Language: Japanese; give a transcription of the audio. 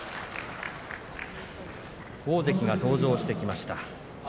大関が登場してきました。